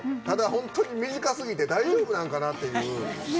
ただ本当に短すぎて大丈夫なんかなっていう。